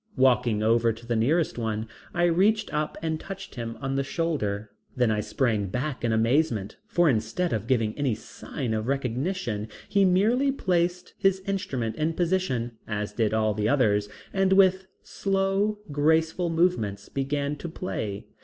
Walking over to the nearest one, I reached up and touched him on the shoulder. Then I sprang back in amazement, for instead of giving any sign of recognition he merely placed his instrument in position, as did all the others, and with slow, graceful movements began to play.